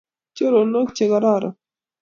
Choronok che kororon